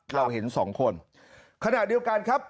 เราเห็นสองคนขณะเดียวกันครับ